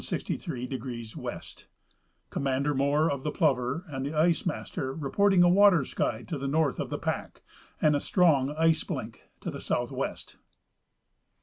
Commander Moore (of the Plover) and the ice master reporting a water sky to the north of the pack, and a strong ice blink to the southwest."